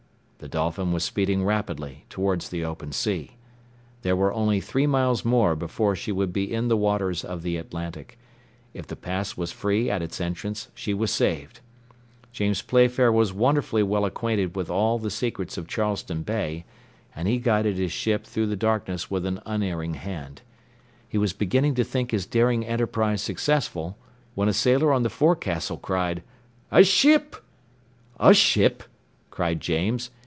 The Dolphin was speeding rapidly towards the open sea. There were only three miles more before she would be in the waters of the Atlantic; if the pass was free at its entrance, she was saved. James Playfair was wonderfully well acquainted with all the secrets of Charleston Bay, and he guided his ship through the darkness with an unerring hand. He was beginning to think his daring enterprise successful, when a sailor on the forecastle cried: "A ship!" "A ship?" cried James.